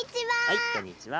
はいこんにちは。